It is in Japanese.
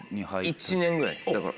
１年ぐらいですだから。